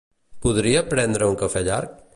Podria prendre un cafè llarg?